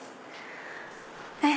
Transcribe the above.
えっ！